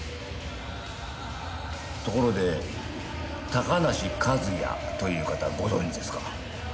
ところで高梨一弥という方ご存じですか？